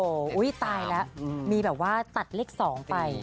โหยตายล่ะมีแบบว่าตัดเลข๒ไป